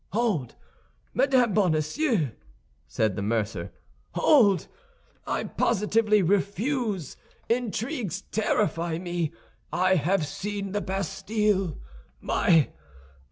"Hold, Madame Bonacieux," said the mercer, "hold! I positively refuse; intrigues terrify me. I have seen the Bastille. My!